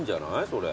それ。